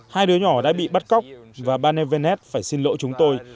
hai đứa nhỏ đã bị bắt cóc và ban evernest phải xin lỗi chúng tôi